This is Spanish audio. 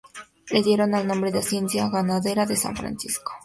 Le dieron el nombre de Hacienda Ganadera De San Francisco.